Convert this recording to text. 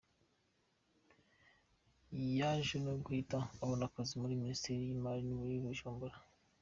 Yaje no guhita abona kazi muri Minisiteri y’Imari i Bujumbura.